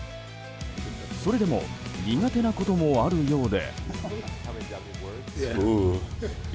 それでも苦手なこともあるようで。